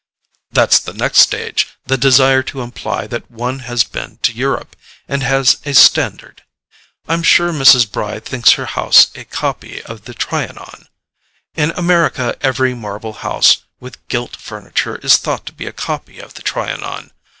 "That's the next stage: the desire to imply that one has been to Europe, and has a standard. I'm sure Mrs. Bry thinks her house a copy of the TRIANON; in America every marble house with gilt furniture is thought to be a copy of the TRIANON.